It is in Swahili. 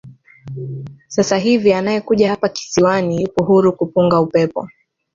Sasa hivi anayekuja hapa kisiwani yupo huru kupunga upepo